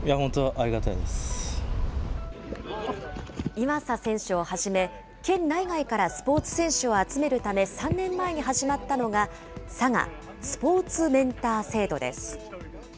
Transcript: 岩佐選手をはじめ、県内外からスポーツ選手を集めるため、３年前に始まったのが、ＳＡＧＡスポーツメンター制度です。